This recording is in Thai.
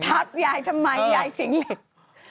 ทับยายทำไมยายสิงห์